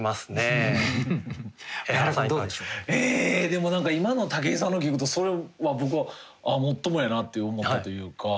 でも何か今の武井さんのを聞くとそれは僕はもっともやなって思ったというか。